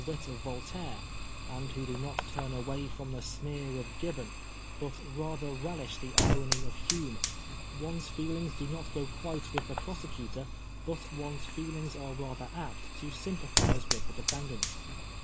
wit of Voltaire, and who do not turn away from the sneer of Gibbon, but rather relish the irony of Hume — one's feelings do not go quite with the prosecutor, but one's feelings are rather apt to sympathise with the defendants.